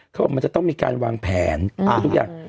เขาบอกมันจะต้องมีการวางแผนคือทุกอย่าง